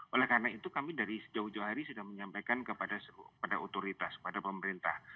oleh karena itu kami dari jauh jauh hari sudah menyampaikan kepada otoritas pada pemerintah